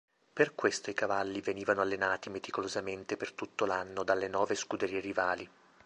Per questo i cavalli venivano allenati meticolosamente per tutto l'anno dalle nove scuderie rivali.